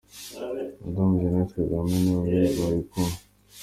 Madamu Jeannette Kagame na we bari kumwe.